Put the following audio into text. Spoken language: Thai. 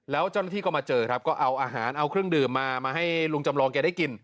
แล้วเจ้าหน้าที่ก็มาเจอครับก็เอาอาหารเอาเครื่องดื่มมามาให้ลุงจำลองแกได้กิน